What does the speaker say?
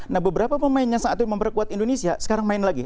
nah beberapa pemainnya saat itu memperkuat indonesia sekarang main lagi